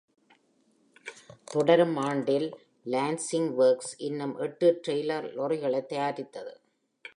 தொடரும் ஆண்டில் Lancing Works இன்னும் எட்டு டிரெய்லர் லாரிகளை தயாரித்தது.